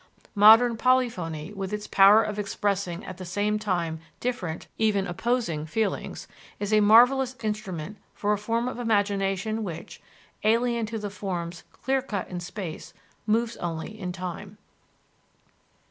Modern polyphony with its power of expressing at the same time different, even opposing, feelings is a marvelous instrument for a form of imagination which, alien to the forms clear cut in space, moves only in time.